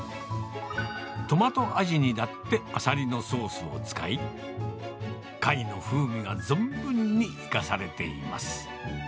トマト味になってアサリのソースを使い、貝の風味が存分に生かされています。